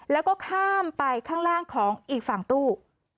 แล้วก็ข้ามไปข้างล่างของอีกฝั่งตู้